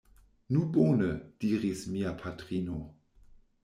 Nu bone! diris mia patrino.